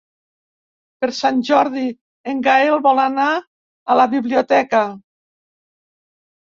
Per Sant Jordi en Gaël vol anar a la biblioteca.